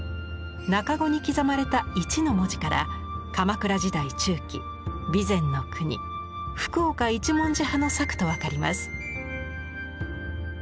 茎に刻まれた一の文字から鎌倉時代中期備前国・福岡一文字派の作と分かります。